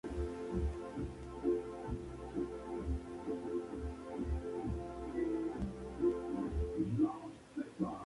Como Gobernador de Sonora se destacó por invertir en la Infraestructura del Estado.